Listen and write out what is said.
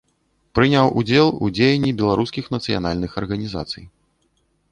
Прыняў удзел у дзеянні беларускіх нацыянальных арганізацый.